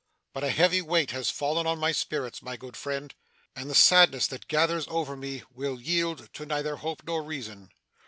But a heavy weight has fallen on my spirits, my good friend, and the sadness that gathers over me, will yield to neither hope nor reason.